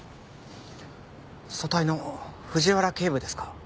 組対の藤原警部ですか？